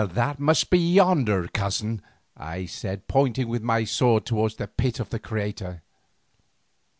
"That must be yonder, cousin," I said, pointing with the sword toward the pit of the crater.